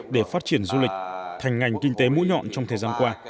để phát triển du lịch thành ngành kinh tế mũi nhọn trong thời gian qua